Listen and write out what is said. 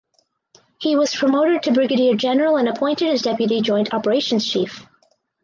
He was Promoted to Brigadier General and appointed as Deputy Joint Operations Chief.